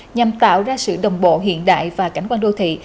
nhằm tạo ra sự đồng bộ hiện đại và cảnh quan đô thị